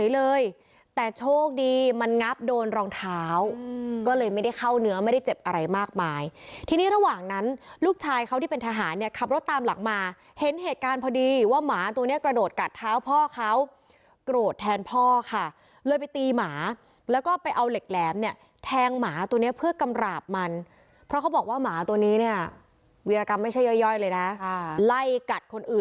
เลยแต่โชคดีมันงับโดนรองเท้าก็เลยไม่ได้เข้าเนื้อไม่ได้เจ็บอะไรมากมายทีนี้ระหว่างนั้นลูกชายเขาที่เป็นทหารเนี่ยขับรถตามหลังมาเห็นเหตุการณ์พอดีว่าหมาตัวเนี้ยกระโดดกัดเท้าพ่อเขาโกรธแทนพ่อค่ะเลยไปตีหมาแล้วก็ไปเอาเหล็กแหลมเนี่ยแทงหมาตัวเนี้ยเพื่อกำหราบมันเพราะเขาบอกว่าหมาตัวนี้เนี่ยวิรากรรมไม่ใช่ย่อยเลยนะไล่กัดคนอื่น